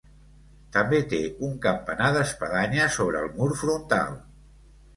També té un campanar d'espadanya sobre el mur frontal.